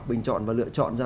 bình chọn và lựa chọn ra